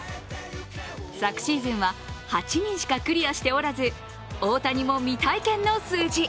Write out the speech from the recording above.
昨シーズンは８人しかクリアしておらず、大谷も未体験の数字。